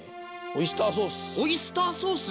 オイスターソース？